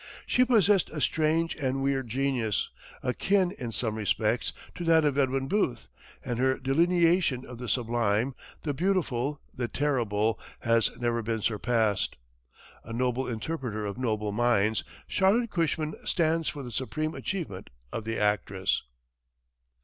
She possessed a strange, and weird genius, akin, in some respects, to that of Edwin Booth, and her delineation of the sublime, the beautiful, the terrible has never been surpassed. A noble interpreter of noble minds, Charlotte Cushman stands for the supreme achievement of the actress.